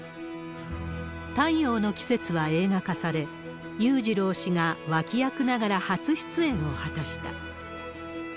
太陽の季節は映画化され、裕次郎氏が脇役ながら初出演を果たした。